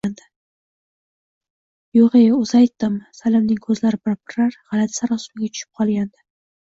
Yoʻgʻ-e, oʻzi aytdimi? – Salimning koʻzlari pirpirar, gʻalati sarosimaga tushib qolgandi.